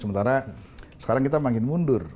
sementara sekarang kita makin mundur